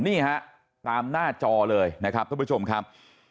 นี่ฮะตามหน้าจอเลยนะครับท่านผู้ชมครับ